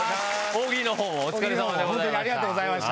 大喜利のほうもお疲れさまです。